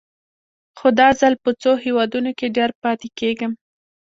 خو دا ځل به په څو هېوادونو کې ډېر پاتې کېږم.